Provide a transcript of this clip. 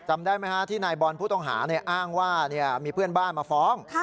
จำได้ไหมฮะที่นายบอลผู้ต้องหาอ้างว่ามีเพื่อนบ้านมาฟ้อง